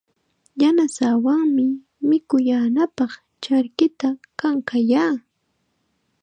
Yanasaawanmi mikuyaanapaq charkita kankayaa.